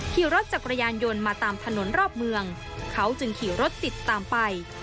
ขี่รถจักรยานยนต์มาตามถนนรอบเมืองเขาจึงขี่รถติดตามไป